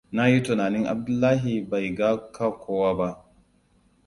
Na yi tunanin Abdullahia bai ga kowa ba.